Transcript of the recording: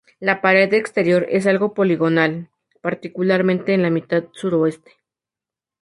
La pared exterior es algo poligonal, particularmente en la mitad suroeste.